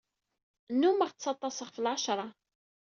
Nnummeɣ ttaḍḍaseɣ ɣef lɛecṛa.